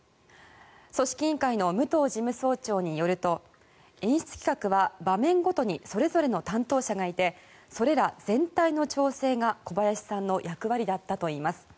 組織委員会の武藤事務総長によると演出企画は場面ごとにそれぞれの担当者がいてそれら全体の調整が小林さんの役割だったといいます。